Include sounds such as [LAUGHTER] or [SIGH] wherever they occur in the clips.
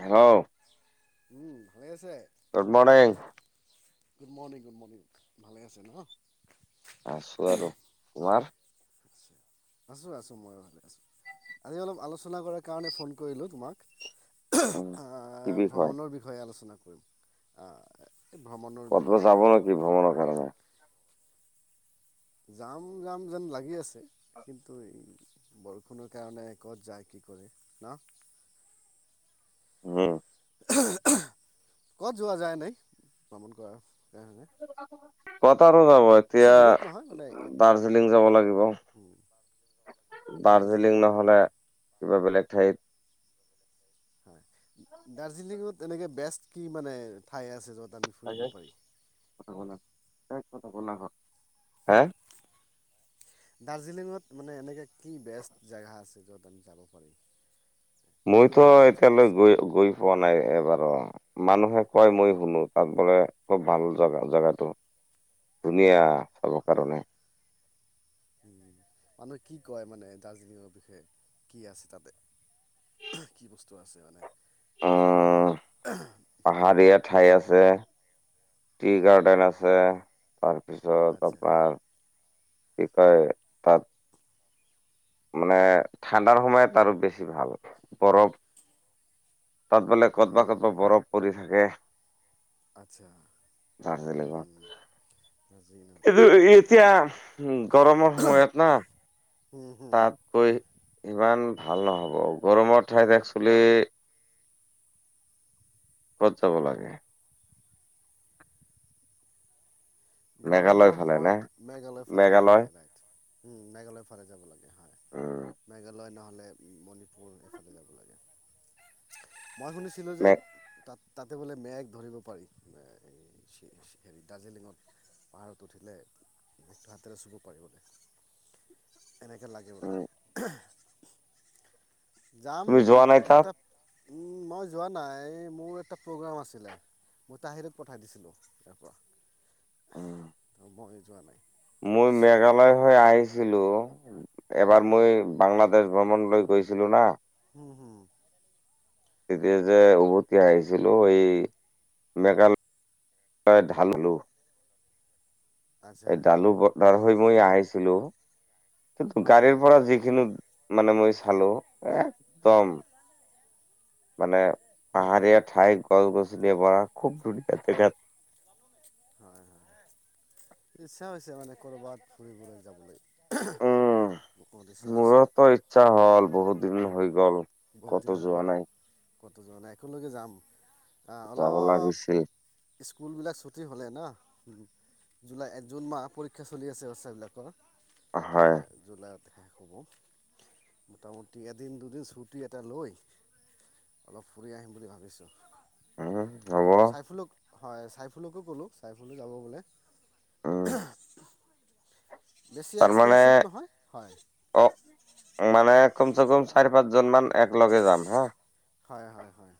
Hello উম, ভালে আ good morning. Good morning good morning, ভালে আছে ন। আছোঁ আৰু তোমাৰ? আছোঁ, আছোঁ মইয়ো ভালে আছোঁ। আজি অলপ আলোচনা কৰাৰ কাৰণে ফোন কৰিলোঁ তোমাক। উম কি আহ বিষয় ভ্ৰমণৰ বিষয়ে আলোচনা। কৰিম, আহ এই ভ্ৰমণৰ কতো বিষয়ে যাব নেকি ভ্ৰমণৰ কাৰণে? যাম, যাম যেন লাগি আছে। কিন্তু, এই বৰষুণৰ কাৰণে ক'ত যায় কি কৰে, ন? হ'ম। ক'ত যোৱা যায় এনেই। ভ্ৰমণ কৰা হয় নে কথা যাব এতিয়া মানে ইয়াত দাৰ্জিলিং যাব লাগিব। দাৰ্জিলিং ন'হলে কিবা বেলেগ ঠাইত দাৰ্জিলিঙত এনেকে বেষ্ট কি মানে ঠাই আছে য'ত আমি ফুৰিব পাৰিম [UNINTELLIGIBLE] [UNINTELLIGIBLE] হে দাৰ্জিলিঙত মানে এনেকৈ কি বেষ্ট জেগা আছে য'ত আমি যাব পাৰোঁ। মইতো এতিয়ালৈ গৈ, গৈ পোৱা নাই এবাৰু মানুহে কই মই শুনো। তাত বোলে খুব ভাল জেগা জেগাটো। ধুনীয়া চাব কাৰণে। মানুহে কি কয় মানে দাৰ্জিলিঙৰ বিষয়ে, কি আছে তাতে? কি বস্তু আছে মানে? যিটোৱে উম মানুহক হুম, পাহাৰীয়া ঠাই আছে, টি হয় গাৰ্ডেন আছে তাৰপিছত আচ্ছা আপোনাৰ কি কয় তাত, মানে ঠাণ্ডাৰ সময়ত আৰু বেছি ভাল। বৰফ তাত বোলে ক'তবা হুম, ক'তবা বৰফ পৰি থাক এ আচ্ছা দাৰ্জিলিঙৰ, হুম, দাৰ্জিলিঙত এইটো হয় এতিয়া গৰমৰ সময়ত ন হুম, হুম। তাত গৈ ইমান ভাল নহ', ব গৰমৰ ঠাইত একচলি, ক'ত যাব লাগে? মেঘালয় গৰমৰ ফালে নে সময়ত মেঘালয় ফালে যাব মেঘালয় লাগে। [UNINTELLIGIBLE] উম', মেঘালয়ৰ ফালে যাব লাগে। উম মেঘালয় নহ লে মণিপুৰ এইফালে যাব লাগে। মই শুনিছিলোঁ যে মে তাত তাতে বোলে মেঘ ধৰিব পাৰি [UNINTELLIGIBLE] দাৰ্জিলিঙত পাহাৰত উঠিলে হাতেৰে চুব পাৰি বোলে। এনেকে লাগে উম বোলে। যাম তুমি নেকি যোৱা নাই তাত এটা। মই যোৱা নাই এই মোৰ এটা প্ৰগ্ৰেম আছিলে, মই তাহিৰক পঠাই দিছিলোঁ ইয়াৰ পৰা। উম'। মইও যোৱা নাই। মই মেঘালয় হৈ আহিছিলো। এবাৰ মই বাংলাদেশ ভ্ৰমণ লৈ গৈছিলোঁ নাহ। উ, হুম। তেতিয়া যে উভতি আহিছিলোঁ এই, মেঘালয় ঢাল হ'লো। আচ্ছা এই ডালু ব। ঘুৰি মই আহিছিলোঁ। কিন্ত হুম গাড়ীৰ পৰা যিখিনি। মানে মই চি। চালো একদম মানে পাহাৰীয়া ঠাই গছ- গছনি। [UNINTELLIGIBLE] খুব ধুনীয়া দেখাত। হয় হয় ইচ্ছা হৈছে মানে কৰবাত ফুৰিবলৈ যাবলৈ। উম বহুত ইচ্ছা হৈছে মোৰতো ইচ্ছা হ'ল বহুত দিন হৈ গ'ল ক'তো যোৱা নাই। ক'ত যোৱা নাই একেলগে যাম। অ যাব অলপ লাগিছিল স্কুলবিলাক ছুটি। হ'লে ন? জুলাই জুন মাহ পৰীক্ষা চলি আছে বাতচা বিলাকৰ। হয় জুলাইত। শেষ হ'ব মোটামুটি এদিন দুদিন ছুটি এটা লৈ অলপ ফুৰি আহিম বুলি ভাবিছোঁ। উম হ'ব চাইফুলক। হয় চাই। ফুলকো ক'লোঁ চাইফুলো যাব বোলে। উম [UNINTELLIGIBLE] বেছি তাৰমানে এক্সপেনচিভ নহয় হয়। কম চে কম চাৰি পাঁচ জন মান একলগে যাম হা। হয় হয় হয়।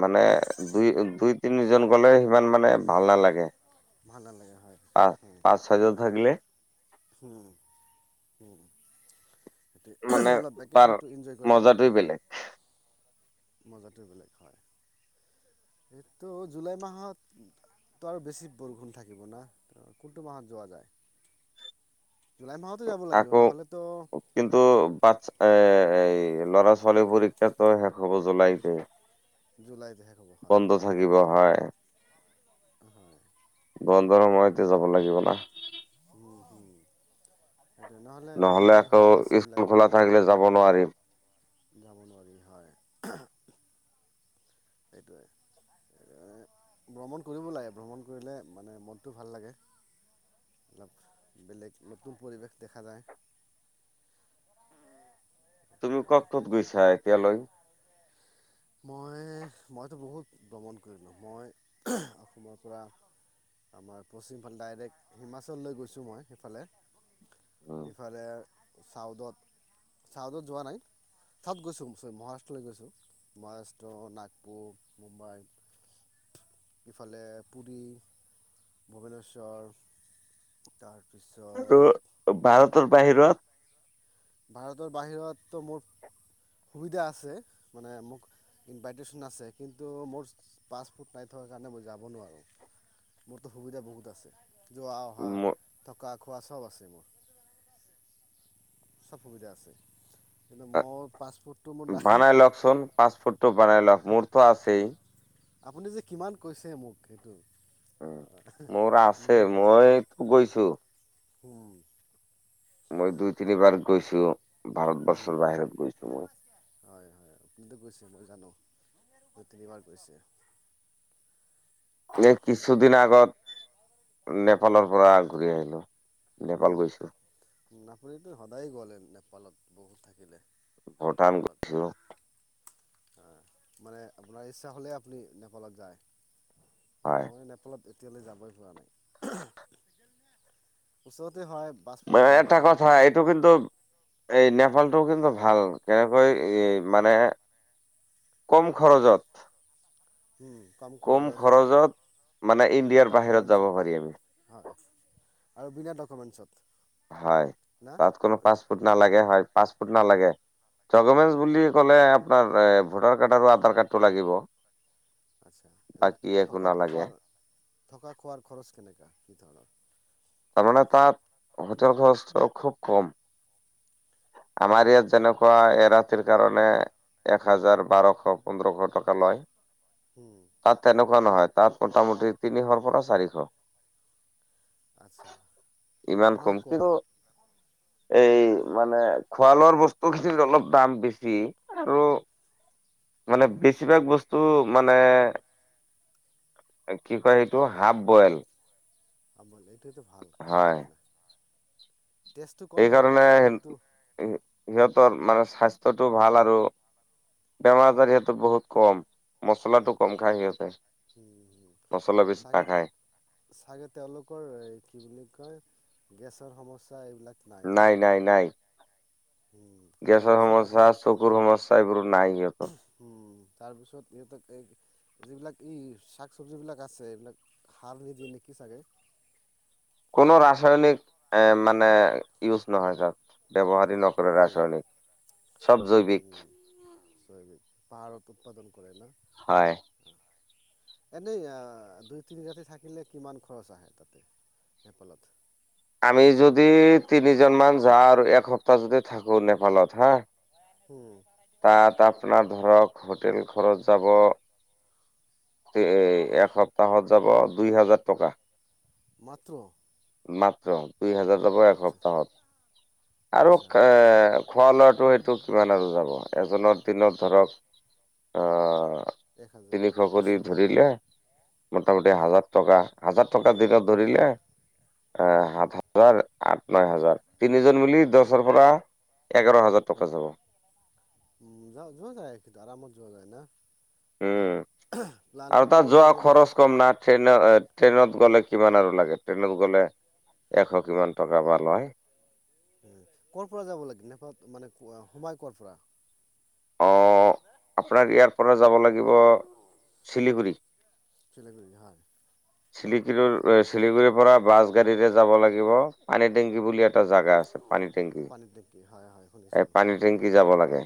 মানে দুই দুই তিনিজন গ'লে সিমান মানে ভাল নালাগে। ভাল নালাগে হয় প পাঁচ ছয় জন থাকিলে। হম হম। মানে অলপ তাৰ ভেকেচনটো এনজয় কৰিব লাগে। মজাটোৱে বেলেগ মজাটো বেলেগ এইটো জুলাই মাহতটো আৰু বেছি বৰষুণ থাকিব না? কোনটো মাহত যোৱা যায়। জুলাই মাহতো যাব লাগিব আকৌ নহ'লেতো কিন্তু বাছএ। এই ল'ৰা ছোৱালী পৰীক্ষাটো শেষ হ'ব জুলাইতে। জুলাইত শেষ হ'ব হয় বন্ধ থাকিব হয়। বন। জুলাই মাহতে যাব লাগিব না? সেইটোৱে নহলে দিগদাৰ আকৌ হয় বাচ্ছাবিলাক স্কুল খোলা থাকিলে যাব নোৱাৰিম। [INAUDIBLE] যাব নোৱাৰি হয়। সেইটোৱে ভ্ৰমণ কৰিব লাগে ভ্ৰমণ কৰিলে মানে মনটো ভাল লাগে। অলপ বেলেগ নতুন পৰিৱেশ দেখা যায়। তুমি সেইটোৱে আৰু ক'ত-ক'ত গৈছা এতিয়ালৈ? মই মইতো বহুত ঘূৰিলোঁ মই অসমৰ পৰা আমাৰ পশ্চিম ফালে ডাইৰেক্ট হিমাচললৈ গৈছোঁ মই সেইফালে। এইফালে চাউদত-চাউদত যোৱা নাই চাউত গৈছোঁ মহাৰাষ্ট্ৰলৈ গৈছোঁ। মহাৰাষ্ট্ৰ, নাগপুৰ। মুম্বাই ইফালে পুৰী, ভূৱনেশ্বৰ তাৰ আৰু ভাৰত তৰ বাহিৰত ভাৰতৰ বাহিৰততো মোৰ সুবিধা আছে মানে মোক ইনভাইটেশ্যন আছে কিন্তু মোৰ পাছফুৰ্ট নাই থকাৰ কাৰণে মই যাব নোৱাৰোঁ মোৰতো সুবিধা বহুত আছে। জোৱা অহা থকা। খোৱা চব আছে। সব সুবিধা আছে। কিন্তু মোৰ পাছপৰ্টটো মোৰ নাই বানাই লওকচোন পাঁচ ফুটটো বানাই লওক মোৰ মোৰ তু আছেই আপুনি যে কিমান কৈছে মোক সেইটো উ মোৰ আছে মই গৈছো। উম মই দুই তিনিবাৰ গৈছো ভাৰতবৰ্ষৰ বাহিৰত গৈছো মই আপুনি গৈছে মই জানো তিনিবাৰ গৈছে। এ কিছুদিন আগত নেপালৰ পৰা ঘূৰি আহিলো। নেপাল গৈছো উম আপুনি তু সদায় গলেন নেপালত উম থাকি দে। ভূটান গৈছোঁ। মানে আপোনাৰ ইচ্ছা হ'লে আপুনি নেপালত যায়। হয় মই নেপালত এতিয়ালৈ যাবই হোৱা নাই। ওচৰতে হয়। পাছপৰ্ট মই নালাগে এটা না কথা তাতে এইটো কিন্তু এই নে কথা টো কিন্তু ভাল কেনেকৈ মানে কম খৰচত কম খৰচত মানে বিনা ইণ্ডিয়াৰ বাহিৰত যাব ডকুমেণ্টছত পাৰি আমি। হয় আৰু বিনা ডকুমেণ্টছত হয় না তাত কোনো পাঁচপ'ৰ্ট ন লাগে হয় পাছপৰ্ট নালাগে ডুকুমেন্ট বুলি কলে আপোনাৰ ভোটাৰ কাৰ্ড আৰু আধাৰ কাৰ্ড লাগিব আচ্ছা এনে বাকী একো থকা নালাগে খোৱাৰ থকা খোৱাৰ খৰচ কেনেকুৱা কি ধৰণৰ তাৰমানে তাত হোটেল খৰচটো খুব কম আমাৰ ইয়াত যেনেকুৱা এৰাতিৰ কাৰণে এক হাজাৰ বাৰশ পোন্ধৰশ টকা লয় উম, তাত তেনেকুৱা নহয় তাত মোটামুটি তিনিশৰ পৰা চাৰিশ আচ্ছা ইমান কমকে এই মানে খোৱা লোৱা বস্তু খিনিত অলপ দাম বেছি আৰু মানে বেছিভাগ বস্তু মানে কি কয় সেইটো হাফ বইল। অঁ বুজ সেইটো ভাল খোৱাৰ কাৰণে। টেষ্টটো কম হ'ব এইকাৰণে পাৰে কিন্তু সিহত মানে স্বাস্থ্যতটো ভাল আৰু বেমাৰ আজাৰ সিহেতটো বহুত কম। মছলাটো বহুত কম। খায় সিহঁতে উম, উম, উম। মছলা বেছি চাগে, নাখায়। চাগে তেওঁলোকৰ কি বুলি কয় গেছৰ সমস্যা নাই নাই নাই। উম, গেছৰ তাৰপিছত সমস্যা, আপোনাৰ চকুৰ সমস্যা এইবোৰো নাই সিহঁতৰ উম, তাৰপিছত সিহঁতক এই যিবিলাক ই শাক চবজি বিলাক আছে, এইবিলাক সাৰ নিদিয়ে নেকি চাগে। কোনো ৰাসায়নিক এ মানে ইউজ নহয় তাত। ব্যৱহাৰ নকৰে উম, ৰাচায়নিক। চব উম, জৈৱিক পাহাৰত উৎপাদন কৰে ন? হয়। এনেই আহ দুই তিনি ৰাতি থাকিলে কিমান খৰচ আহে তাতে, নেপালত? আমি যদি তিনিজন মান যাওঁ আৰু এক সপ্তাহ যদি থাকো নেপালত হা উম। তাত আপোনাৰ ধৰক হোটেল খৰত যাব এ এসপ্তাহত যাব দুই হাজাৰ টকা। মাত্ৰ? মাত্ৰ। দুই হাজাৰ যাব আচ্ছা এসপ্তাহত। আৰু আচ্ছা এ খোৱা লোৱাটো সেই টোত কিমান আৰু যাব, এজনক দিনত ধৰক আহ এক হাজাৰ তিনি শ পাঁচশ কৰি টকা ধৰিলে? মোটামুটি হাজাৰ টকা? হাজাৰ টকা দুটাত ধৰিলে আ সাত হাজাৰ আঠ ন হাজাৰ তিনিজন মিলি দচৰ পৰা এঘাৰ হাজাৰ টকা যাব। উ য যোৱা যায় আৰামত যোৱা যায় ন? উম। আৰু তাত কৰোঁ যোৱা নেকি খৰচ কম না ট্ৰেইনত আ ট্ৰেইনত গ'লে কিমান আৰু লাগে, ট্ৰেইনত গ'লে এশ কিমান টকা বা লয় উম কৰ' পৰা যাব লাগে নেপালত, মানে সোমাই কৰ' পৰা? অঁ। আপোনাক ইয়াৰ পৰা যাব লাগিব শিলিগুৰি শিলিগুৰি হয় শিলিকিৰৰ এই শিলিগুৰিৰ পৰা বাছ, গাড়ীৰে যাব লাগিব পানী টেংকি বুলি এ এটা জাগা আছে পানী টেংকি। পানীত নেকি হয় হয় শুনিছোঁ এই পানী হয় টেংকি যাব লাগে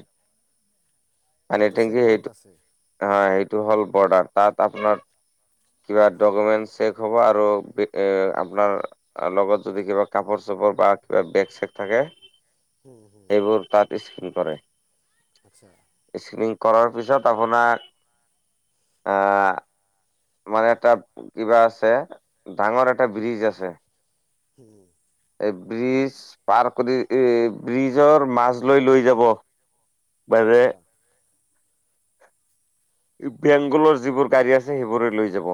পানী তাতে চেক টেঙকি পইণ্ট সেইটো আছে হয় সেইটো হ'ল বৰদান তাত আপোনাৰ কিবা ডকুমেন্ট চেক হ'ব আৰু আপোনাৰ লগত যদি কিবা কাপ চাপোৰ বা কিবা বেগ চেগ থাকে হুম হুম এইবোৰ তাত স্ক কৰেৰে আচ্ছা ইিনি কৰাৰ পিছত আপোনাক মানে এটা কিবা আছে ডাঙৰ এটা ব্ৰিজ আছে হম ব্ৰিজ পাৰ কৰি এ ব্ৰিজৰ মাাজ লৈ লৈ যাব বাৰে আচ্ছা বেংগলৰ যিবোৰ গাড়ী আছে সেইবোৰ লৈ যাব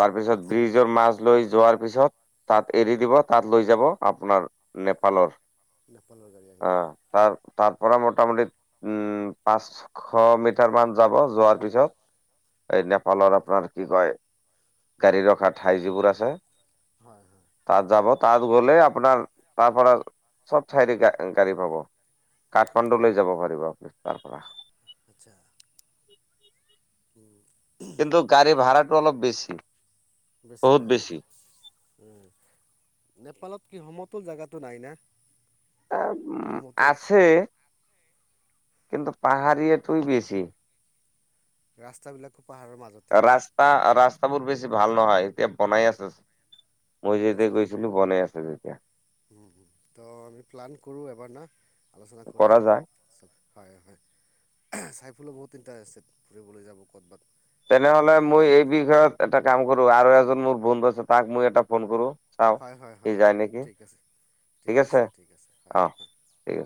তাৰপিছত আচ্ছা আচ্ছা ব্ৰিজৰ মাছ লৈ যোৱাৰ পিছত তাত এৰি দিব তাত লৈ যাব আপোনাৰ নেপালৰ নেপালৰ গাড়ী আহিব আহ ত তাৰ পৰাৰা মোটামুটি উম পাঁচশ মিটাৰ মান যাব যোৱাৰ পিছত এই নেপালৰ আপোনাৰ কি কয় গাড়ী ৰখা ঠাই যিবোৰ আছে হয় হয় তাত যাব তাত গ'লে আপোনাৰ তাৰ পৰা চব চাইড গাড়ী পাব কাঠমাণ্ডু লৈ যাব পাৰিব আপুনি তাৰ পৰা আচ্ছা কিন্তু গাড়ী ভাড়াটো অলপ বেছি বেছি ন নেপালত কি সমতল জোগাতটো নাই না উ সমতল আছে কিন্তু পাহাৰী এটোই বেছি ৰাস্তা বিলাক ৰাস্তা আ ৰাস্তা ৰাষ্টাবোৰ বেছি ভাল নহয় এতিয়া বনাই আছো মই যেতিয়া গৈছিলো বনাই আছে যে উ উ ত আমি প্লান কৰোঁ এবাৰ না আলোচনা কৰি, কৰা যায়। তাৰপিছত। হয় হয়। চাই বলৈ বহত ইণ্টাৰেষ্টেড। ফুৰিবলৈ যাব ক'ৰবাত। তেনেহলে ক'ৰবাত মই এই বিষয়ত এটা কাম কৰোঁ। আৰু এজন মোৰ বন্ধু আছে, তাক মই এটা ফোন কৰোঁ। হয় হয় হয়। ঠিক আছে। ঠিক আছে ঠিক আছে। হয়। অ ঠিক আছে